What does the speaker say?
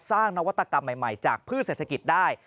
นวัตกรรมใหม่จากพืชเศรษฐกิจได้